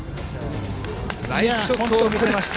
ナイスショットを見せました。